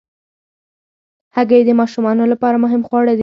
هګۍ د ماشومانو لپاره مهم خواړه دي.